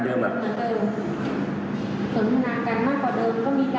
แล้วเราไม่รู้คือบาปอะไร